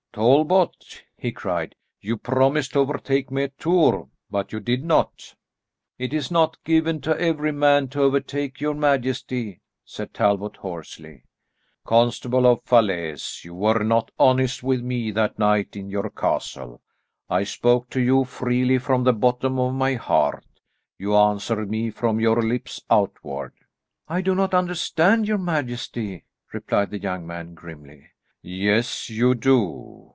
"Talbot," he cried, "you promised to overtake me at Tours, but you did not." "It is not given to every man to overtake your majesty," said Talbot hoarsely. "Constable of Falaise, you were not honest with me that night in your castle. I spoke to you freely from the bottom of my heart; you answered me from your lips outward." "I do not understand your majesty," replied the young man grimly. "Yes, you do.